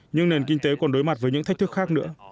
nhưng nền kinh tế còn đối mặt với những thách thức khác nữa